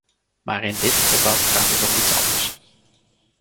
Maar in dit debat gaat het om iets anders.